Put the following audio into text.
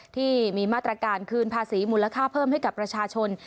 ที่มีมาตรการคืนภาษีมูลค่าเพิ่มให้กับประชาชน